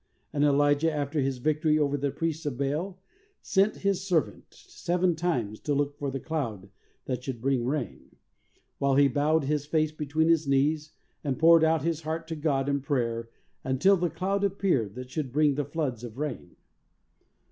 And Elijah, after his victory over the priests of Baal, sent his servant seven times to look for the cloud that should bring rain, while he bowed his face between his knees, and poured out his heart to God in prayer until the cloud ap peared that should bring the floods of rain.